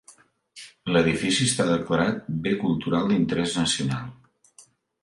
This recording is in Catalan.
L'edifici està declarat bé cultural d'interès nacional.